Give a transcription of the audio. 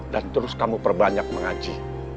dan terus kamu perbanyak mengaji